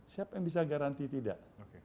siapa yang bisa garanti tidak